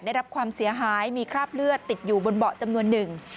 ได้รับความเสียหายมีคราบเลือดติดอยู่บนเบาะจำนวนหนึ่ง